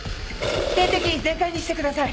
点滴全開にしてください。